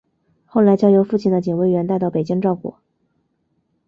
后来交由父亲的警卫员带到北京照顾。